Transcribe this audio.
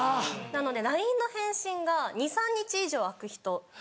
なのでＬＩＮＥの返信が２３日以上空く人。